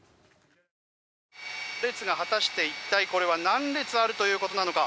列は果たして、一体これは何列あるということなのか。